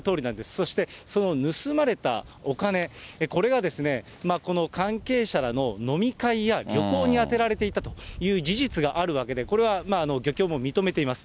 そして、その盗まれたお金、これがこの関係者らの飲み会や旅行に充てられていたという事実があるわけで、これは漁協も認めています。